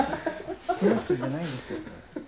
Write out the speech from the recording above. この人じゃないんですよ。